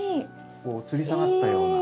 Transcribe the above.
こうつり下がったような。